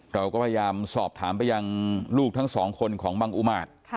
เราก็พยายามสอบถามไปยังลูกทั้งสองคนของบังอุมาตร